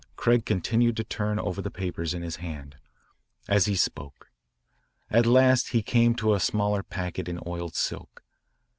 Craig continued to turn over the papers in his hand, as he spoke. At last he came to a smaller packet in oiled silk.